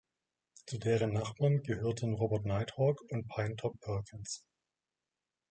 Zu deren Nachbarn gehörten Robert Nighthawk und Pinetop Perkins.